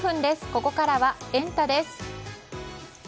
ここからはエンタ！です。